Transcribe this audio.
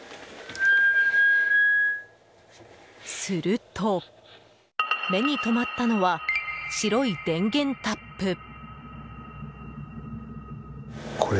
すると目に留まったのは白い電源タップ。